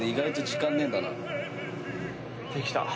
できた！